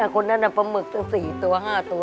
คนนั้นน่ะปลาหมึกตั้งสี่ตัวห้าตัว